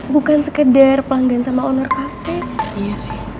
bukan sekedar pelanggan sama owner cafe ya